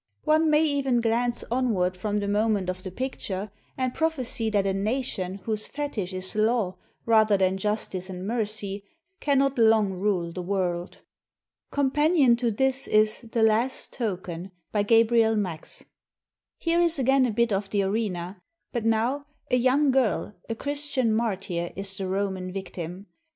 One may even glance onward from the moment of the picture and prophesy that a nation whose fetish is law rather than justice and mercy cannot long rule the world. Companion to this is ''The Last Token," by Gabriel Max. Here is again a bit of the arena; but now a young XXV INTRODUCTION girl, a Christian martyr, is the Roman victim.